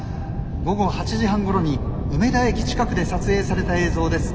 午後８時半ごろに梅田駅近くで撮影された映像です。